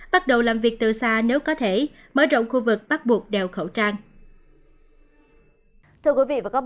bắt đầu làm việc từ xa nếu có thể mở rộng khu vực bắt buộc đeo khẩu trang